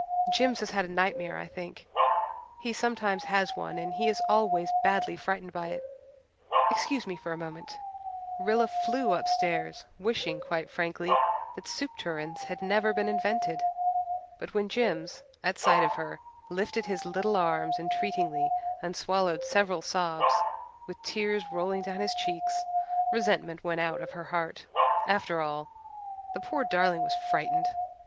"Jims has had a nightmare, I think. He sometimes has one and he is always badly frightened by it. Excuse me for a moment." Rilla flew upstairs, wishing quite frankly that soup tureens had never been invented. But when Jims, at sight of her, lifted his little arms entreatingly and swallowed several sobs, with tears rolling down his cheeks, resentment went out of her heart. After all, the poor darling was frightened.